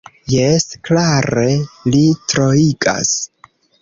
Jes klare, li troigas.